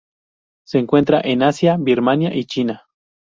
Se encuentran en Asia: Birmania y China.